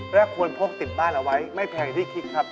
และควรพกติดบ้านเอาไว้ไม่แพงที่คิดครับ